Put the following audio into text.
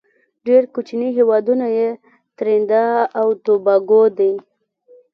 ډیر کوچینی هیوادونه یې تريندا او توباګو دی.